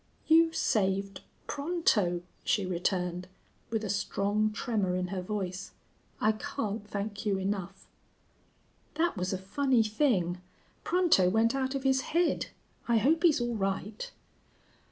"You saved Pronto," she returned, with a strong tremor in her voice. "I can't thank you enough." "That was a funny thing. Pronto went out of his head. I hope he's all right."